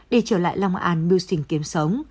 để chở lại long an mưu sinh kiếm sống